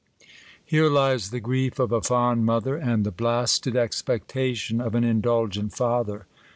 HERE lies the grief of a fond mother, and the blast ed expectation of an indulgent father.